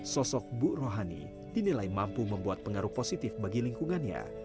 sosok bu rohani dinilai mampu membuat pengaruh positif bagi lingkungannya